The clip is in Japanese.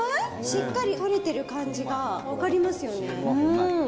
しっかり取れてる感じが分かりますよね。